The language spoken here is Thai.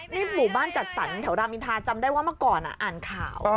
นี่หมู่บ้านจัดสรรแถวรามอินทาจำได้ว่าเมื่อก่อนอ่านข่าว